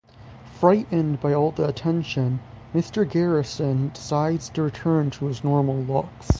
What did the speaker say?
Frightened by all the attention, Mr. Garrison decides to return to his normal looks.